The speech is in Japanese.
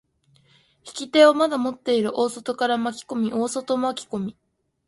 引き手をまだ持っている大外から巻き込み、大外巻き込み。